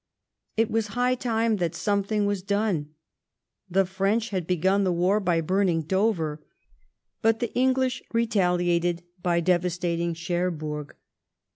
It was high time that some thing was done. The French had begun the war by burning Dover ; but the English retaliated by devastat ing Cherbourg.